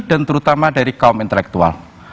dan terutama dari kaum intelektual